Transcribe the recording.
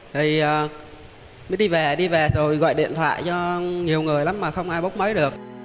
thì mới đi về đi về rồi gọi điện thoại cho nhiều người lắm mà không ai bốc mấy được